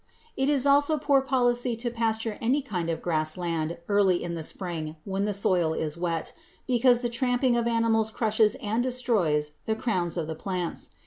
It is also poor policy to pasture any kind of grass land early in the spring when the soil is wet, because the tramping of animals crushes and destroys the crowns of the plants.